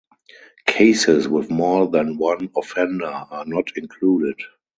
Cases with more than one offender are not included.